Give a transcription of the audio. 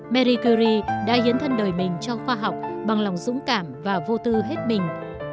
marie curie đã hiến thân đời mình cho khoa học bằng lòng dũng cảm và vô tư hết mình